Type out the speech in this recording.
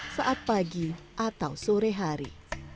saat pagi atau sore hari